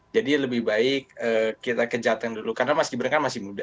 jadi lebih baik kita ke jateng dulu karena mas gibran kan masih muda